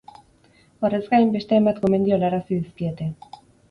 Horrez gain, beste hainbat gomendio helarazi dizkiete.